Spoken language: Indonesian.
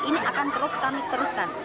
ini akan terus kami teruskan